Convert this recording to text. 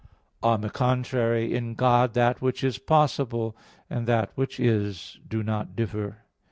On the contrary, In God "that which is possible," and "that which is" do not differ.